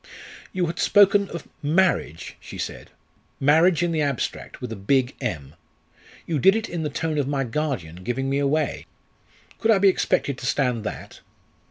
"You had spoken of 'marriage!'" she said. "Marriage in the abstract, with a big M. You did it in the tone of my guardian giving me away. Could I be expected to stand that?"